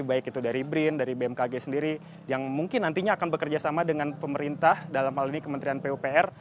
baik itu dari brin dari bmkg sendiri yang mungkin nantinya akan bekerjasama dengan pemerintah dalam hal ini kementerian pupr